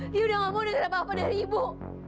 dia sudah ngomong dengan bapak dari ibu